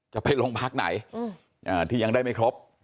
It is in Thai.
จะไปโรงพักไหนที่ยังได้ไม่ครบ